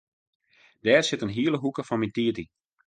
Dêr sit in hiele hoeke fan myn tiid yn.